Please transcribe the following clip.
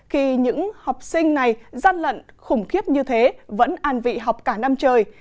khi những học sinh này gian lận khủng khiếp như thế vẫn an vị học cả năm trời